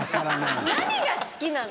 何が好きなの？